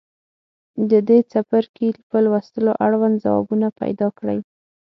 د دې څپرکي په لوستلو اړونده ځوابونه پیداکړئ.